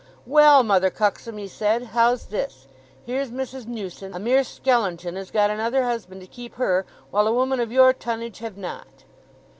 "Well, Mother Cuxsom," he said, "how's this? Here's Mrs. Newson, a mere skellinton, has got another husband to keep her, while a woman of your tonnage have not."